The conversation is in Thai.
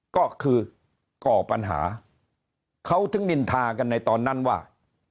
ก็คือก่อปัญหาเขาถึงนินทากันในตอนนั้นว่า